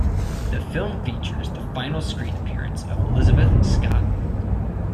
The film features the final screen appearance of Lizabeth Scott.